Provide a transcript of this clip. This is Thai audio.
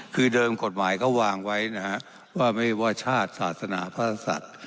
คือเดิมกฎหมายก็วางไว้นะฮะว่าไม่ว่าชาติศาสนาพระศัตริย์